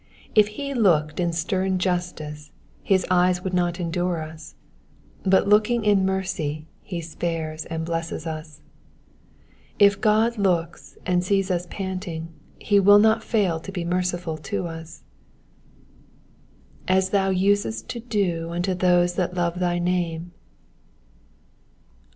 If he looked in stern justice his eyes would not endure us, but looking in mercy he spares and blesses us. If God looks and sees us panting, he will not fail to be merciful to us. ^^Ab thou usest to do unto those that love thy name.''''